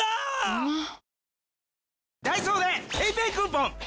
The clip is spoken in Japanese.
うまっ！！